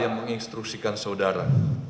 yang menginstruksikan saudara